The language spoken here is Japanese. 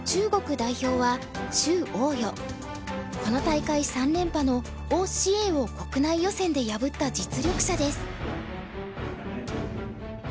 この大会３連覇の於之瑩を国内予選で破った実力者です。